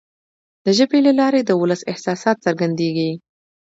د ژبي له لارې د ولس احساسات څرګندیږي.